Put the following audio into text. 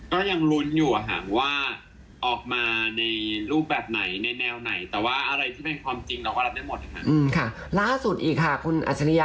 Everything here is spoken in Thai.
ก็ยังรุนอยู่ห่างว่าออกมาในรูปแบบไหนในแนวไหน